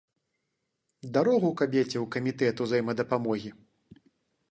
Дарогу кабеце ў камітэт узаемадапамогі!